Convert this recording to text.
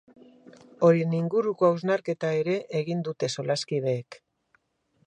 Horien inguruko hausnarketa ere egin dute solaskideek.